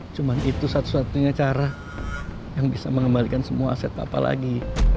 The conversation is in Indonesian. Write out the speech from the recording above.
cuma itu satu satunya cara yang bisa mengembalikan semua aset apa lagi